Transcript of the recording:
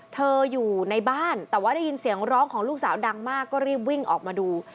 อยู่ในบ้านแต่ว่าได้ยินเสียงร้องของลูกสาวดังมากก็รีบวิ่งออกมาดู